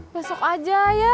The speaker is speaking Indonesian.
besok aja ya